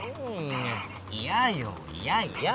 いやよいやいや！